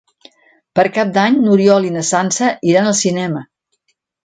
Per Cap d'Any n'Oriol i na Sança iran al cinema.